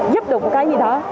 giúp được một cái gì đó